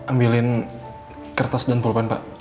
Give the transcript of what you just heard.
ambilin kertas dan polpan pak